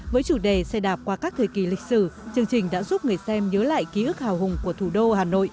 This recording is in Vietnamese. với chủ đề xe đạp qua các thời kỳ lịch sử chương trình đã giúp người xem nhớ lại ký ức hào hùng của thủ đô hà nội